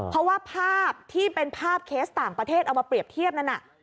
เพราะว่าภาพที่เป็นภาพเคสต่างประเทศเอามาเปรียบเทียบนั้นน่ะ